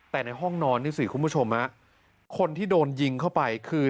แต่ในห้องนอนนี่สิคุณผู้ชมคนที่โดนยิงเข้าไปคือ